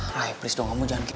rai please dong kamu jangan kayak